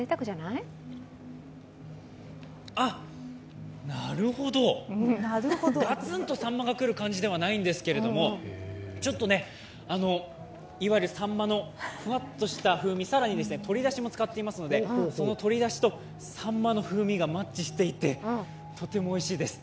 あっ、なるほどがつんと、さんまが来る感じではないんですがちょっとね、あの、いわゆるさんまのふわっとした風味更に鶏だしも使っていますのでその鶏だしとさんまの風味がマッチしていて、とてもおいしいです。